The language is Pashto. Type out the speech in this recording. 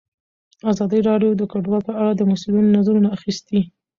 ازادي راډیو د کډوال په اړه د مسؤلینو نظرونه اخیستي.